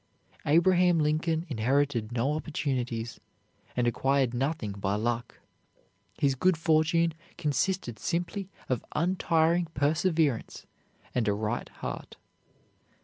Abraham Lincoln inherited no opportunities, and acquired nothing by luck. His good fortune consisted simply of untiring perseverance and a right heart.